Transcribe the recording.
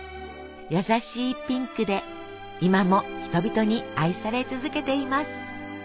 優しいピンクで今も人々に愛され続けています。